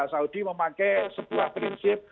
saudi memakai sebuah prinsip